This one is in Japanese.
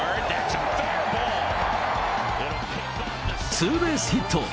ツーベースヒット。